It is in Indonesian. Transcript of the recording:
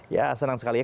ya senang sekali ya